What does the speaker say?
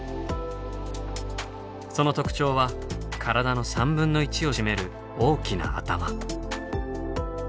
その特徴は体の３分の１を占める大きな頭。